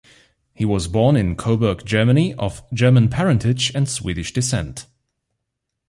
He was born in Coburg, Germany of German parentage and Swedish descent.